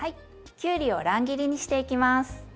きゅうりを乱切りにしていきます。